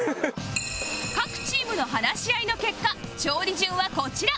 各チームの話し合いの結果調理順はこちら